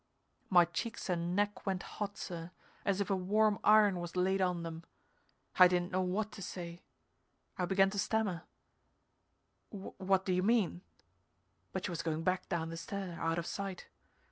My cheeks and neck went hot, sir, as if a warm iron was laid on them. I didn't know what to say. I began to stammer, "What do you mean " but she was going back down the stair, out of sight.